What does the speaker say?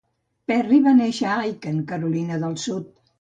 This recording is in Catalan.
Perry va néixer a Aiken, Carolina del Sud.